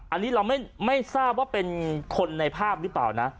อันนี้เราไม่ทราบว่าเป็นคนในภาพหรือเปล่านะ